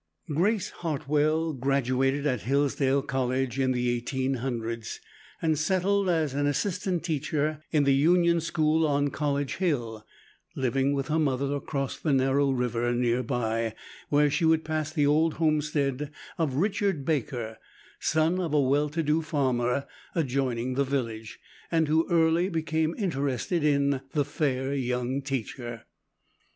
Grace Hartwell graduated at Hillsdale College in 18 , and settled as an assistant teacher in the Union school on College Hill, living with her mother across the narrow river near by, where she would pass the old homestead of Richard Baker, son of a well to do farmer adjoining the village, and who early became interested in the fair young teacher.